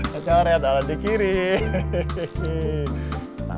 papa coret alat di kiri hahaha